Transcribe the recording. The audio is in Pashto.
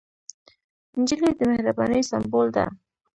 نجلۍ د مهربانۍ سمبول ده.